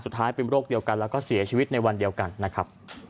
สุดท้ายเป็นโรคเดียวกันแล้วก็เสียชีวิตในวันเดียวกันนะครับ